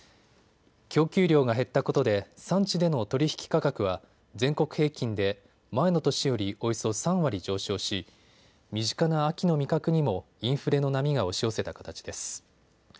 供給量が減ったことで産地での取り引き価格は全国平均で前の年よりおよそ３割上昇し身近な秋の味覚にもインフレの波が押し寄せた形です。